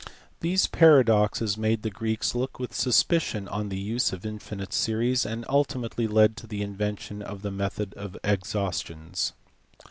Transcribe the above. These paradoxes made the Greeks look with suspicion on the use of infinite series, and ultimately led to the invention of the method of exhaustions.